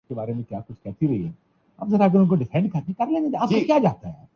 پنجاب میں پاکستان کے ساٹھ فی صد افراد آباد ہیں۔